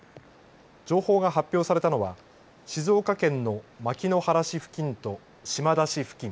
情報が発表されたのは静岡県の牧之原市付近と島田市付近